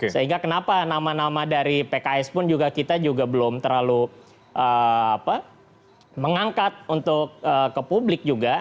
sehingga kenapa nama nama dari pks pun kita juga belum terlalu mengangkat untuk ke publik juga